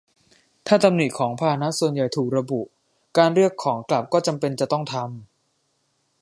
ถ้าตำหนิของพาหนะส่วนใหญ่ถูกระบุ การเรียกของกลับก็จำเป็นจะต้องทำ